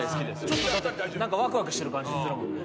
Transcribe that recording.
ちょっとだってなんかワクワクしてる感じするもんね。